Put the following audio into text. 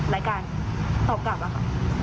รายการตอบกลับ